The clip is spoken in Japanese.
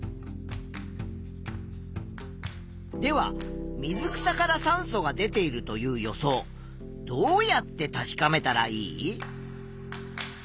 では水草から酸素が出ているという予想どうやって確かめたらいい？